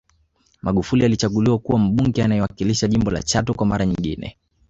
Magufuli alichaguliwa kuwa Mbunge anayewakilisha jimbo la Chato kwa mara nyingine